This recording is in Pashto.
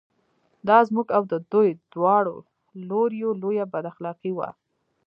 دا زموږ او د دوی دواړو لوریو لویه بد اخلاقي وه.